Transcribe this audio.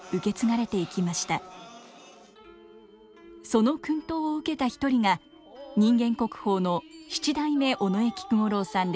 その薫陶を受けた一人が人間国宝の七代目尾上菊五郎さんです。